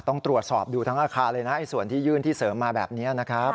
ต้องตรวจสอบดูทั้งอาคารเลยนะส่วนที่ยื่นที่เสริมมาแบบนี้นะครับ